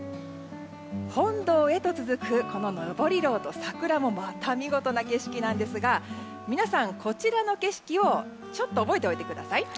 本堂へと続く、この登廊と桜もまた見事な景色なんですが皆さん、こちらの景色をちょっと覚えておいてください。